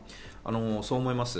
そう思います。